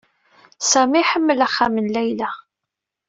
Sami iḥemmel axxam n Layla.